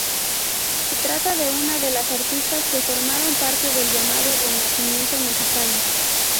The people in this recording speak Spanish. Se trata de una de las artistas que formaron parte del llamado renacimiento mexicano.